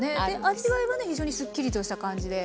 味わいはね非常にすっきりとした感じで。